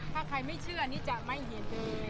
ถ้าใครไม่เชื่อนี่จะไม่เห็นเอง